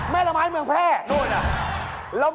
แม่ละม้ายเมืองแพ่แล้วแม่พินั่งตรงไหนนะ